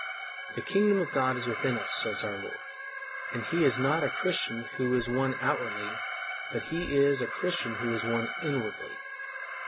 "The kingdom of God is within us," says our Lord! and, "he is not a Christian who is one outwardly; but he is a Christian who is one inwardly."